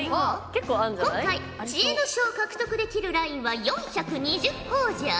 今回知恵の書を獲得できるラインは４２０ほぉじゃ。